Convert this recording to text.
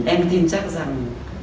em tin chắc rằng